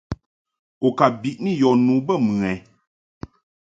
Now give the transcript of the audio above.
U ka biʼni yɔ nu bə mɨ ɛ?